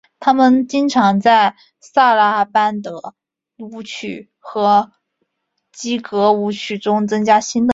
他们经常在萨拉班德舞曲和基格舞曲中增加新的内容。